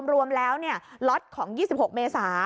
รวมแล้วล็อตของ๒๖เมษา